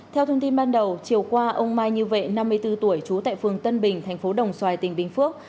theo thông tin ban đầu chiều qua ông mai như vệ năm mươi bốn tuổi trú tại phường tân bình thành phố đồng xoài tỉnh bình phước